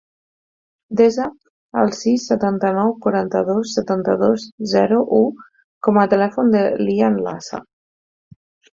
Desa el sis, setanta-nou, quaranta-dos, setanta-dos, zero, u com a telèfon de l'Ian Lasa.